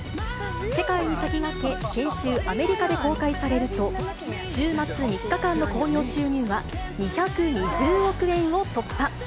世界に先駆け、先週、アメリカで公開されると、週末３日間の興行収入は、２２０億円を突破。